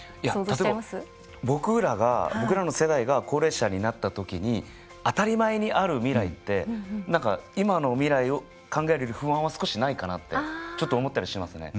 例えば僕らが僕らの世代が高齢者になった時に当たり前にある未来って何か今の未来を考えるより不安は少しないかなってちょっと思ったりしますね。